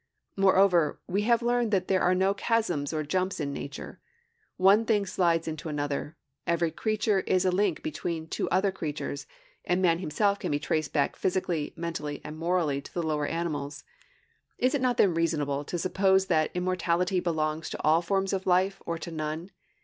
Moreover we have learned that there are no chasms or jumps in nature. One thing slides into another; every creature is a link between two other creatures; and man himself can be traced back physically, mentally, and morally, to the lower animals. Is it not then reasonable to suppose that immortality belongs to all forms of life or to none?